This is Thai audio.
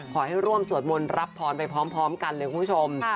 ขอให้ร่วมสวดมนต์รับพรไปพร้อมกันเลยคุณผู้ชม